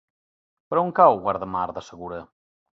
Per on cau Guardamar del Segura?